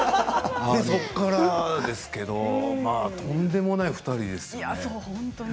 そこからですけれどとんでもない２人ですよ。